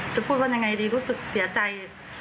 จะพูดว่ายังไงดีรู้สึกเสียใจ